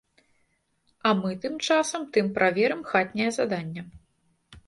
А мы тым часам тым праверым хатняе задання.